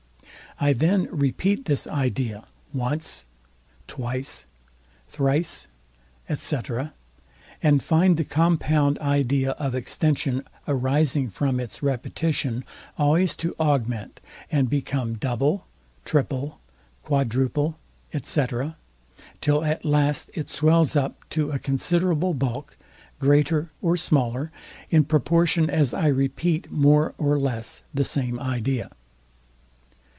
I then repeat this idea once, twice, thrice, &c., and find the compound idea of extension, arising from its repetition, always to augment, and become double, triple, quadruple, &c., till at last it swells up to a considerable bulk, greater or smaller, in proportion as I repeat more or less the same idea.